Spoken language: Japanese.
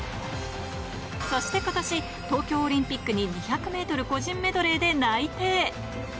そしてことし、東京オリンピックに２００メートル個人メドレーで内定。